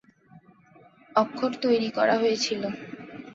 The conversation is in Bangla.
অক্ষর তৈরি করা হয়েছিল।